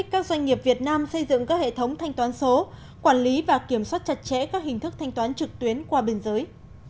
các hệ thống thanh toán số quản lý và kiểm soát chặt chẽ các hình thức thanh toán trực tuyến qua biên giới